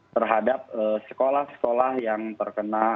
terhadap sekolah sekolah yang terkena